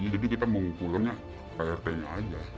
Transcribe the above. jadi kita mengumpulnya ke rt nya aja